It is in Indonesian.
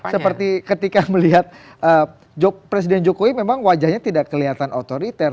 seperti ketika melihat presiden jokowi memang wajahnya tidak kelihatan otoriter